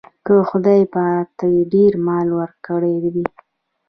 که خدای چاته ډېر مال ورکړی وي.